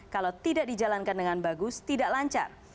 kalau tidak dijalankan dengan bagus tidak lancar